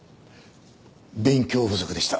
勉強不足でした。